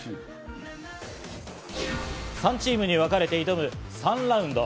３チームにわかれて挑む、３ラウンド。